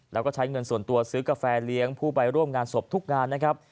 แล้วก็ใช้เงินส่วนตัวซื้อกาแฟเลี้ยงผู้ไปร่วมงานศพทุกงานนะครับ